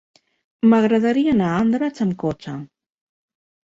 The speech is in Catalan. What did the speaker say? M'agradaria anar a Andratx amb cotxe.